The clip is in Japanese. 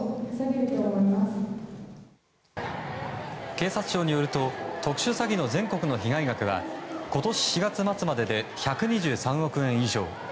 警察庁によると特殊詐欺の全国の被害額は今年４月末までで１２３億円以上。